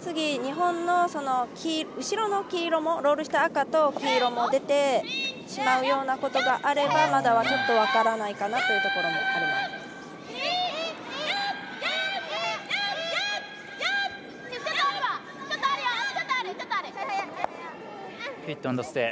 次、日本の後ろの黄色もロールして赤と黄色が出てしまうようなことがあればまだちょっと分からないかなというところもあります。